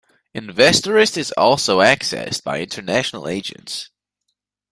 Investorist is also accessed by international agents.